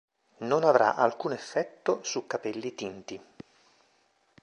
Non avrà alcun effetto su capelli tinti.